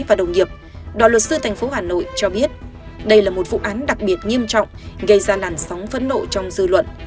và đồng nghiệp đoàn luật sư thành phố hà nội cho biết đây là một vụ án đặc biệt nghiêm trọng gây ra làn sóng phẫn nộ trong dư luận